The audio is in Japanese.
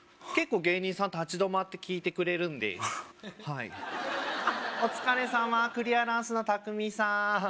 結構芸人さん立ち止まって聞いてくれるんではいお疲れさまクリアランスのタクミさん